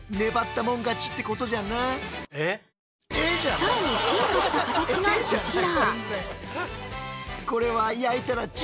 更に進化した形がこちら。